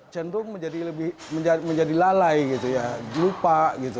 cenderung menjadi lalai lupa